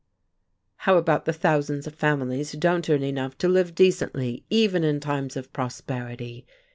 "How about the thousands of families who don't earn enough to live decently even in times of prosperity?"